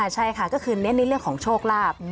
ใช่ค่ะก็คือเน้นในเรื่องของโชคลาภ